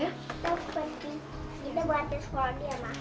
iya pak kita buat di sekolah ya mas